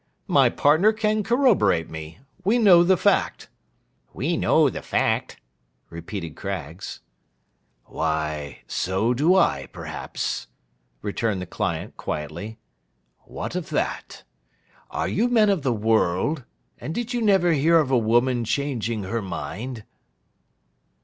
My partner can corroborate me. We know the fact.' 'We know the fact,' repeated Craggs. 'Why, so do I perhaps,' returned the client quietly. 'What of that! Are you men of the world, and did you never hear of a woman changing her mind?